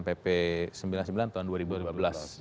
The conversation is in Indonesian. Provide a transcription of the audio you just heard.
jadi tadi misalnya disebutkan kalau dalam pasal ini